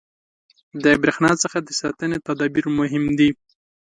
• د برېښنا څخه د ساتنې تدابیر مهم دي.